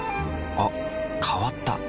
あ変わった。